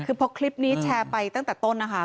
คือพอคลิปนี้แชร์ไปตั้งแต่ต้นนะคะ